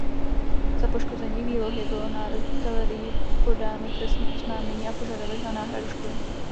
Za poškození výlohy bylo Národní galerií podáno trestní oznámení a požadavek na náhradu škody.